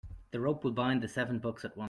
The rope will bind the seven books at once.